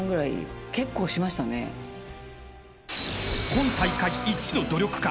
［今大会一の努力家］